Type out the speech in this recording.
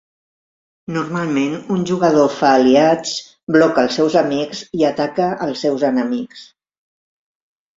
Normalment un jugador fa aliats, bloca els seus amics i ataca als seus enemics.